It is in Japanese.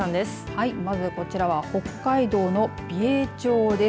はい、まずこちらは北海道の美瑛町です。